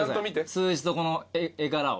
数字とこの絵柄を。